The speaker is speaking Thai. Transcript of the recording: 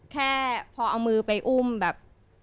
แค่พอเอามือไปอุ้มแบบ